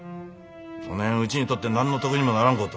そねんうちにとって何の得にもならんこと。